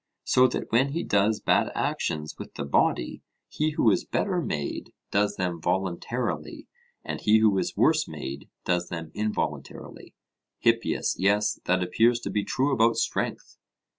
so that when he does bad actions with the body, he who is better made does them voluntarily, and he who is worse made does them involuntarily. HIPPIAS: Yes, that appears to be true about strength.